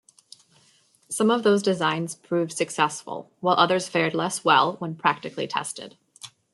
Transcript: Some of those designs proved successful, whilst others fared less well when practically tested.